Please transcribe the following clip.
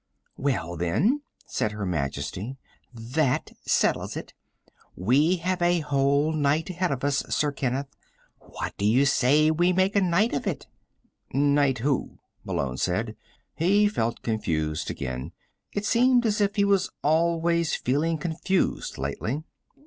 "Well, then," said Her Majesty, "that settles that. We have a whole night ahead of us, Sir Kenneth. What do you say we make a night of it?" "Knight who?" Malone said. He felt confused again. It seemed as if he was always feeling confused lately.